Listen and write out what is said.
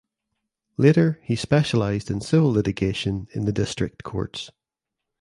Later he specialised in civil litigation in the District Courts.